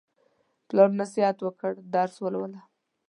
پلار نصیحت وکړ: درس ولوله.